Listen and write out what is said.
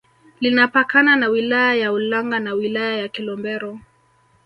Linapakana na wilaya ya Ulanga na wilaya ya Kilombero